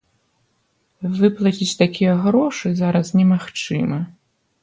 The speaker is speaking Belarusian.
Выплаціць такія грошы зараз немагчыма.